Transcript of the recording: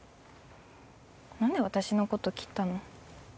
何で私のこと切ったの？